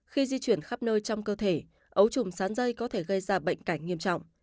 khi di chuyển khắp nơi trong cơ thể ấu trùng sán dây có thể gây ra bệnh cảnh nghiêm trọng